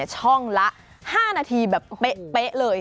ช่องละ๕นาทีแบบเป๊ะเลย